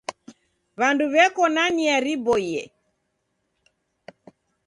W'andu w'eko na nia riboie.